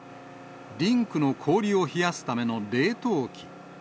リンクの氷を冷やすための冷凍機。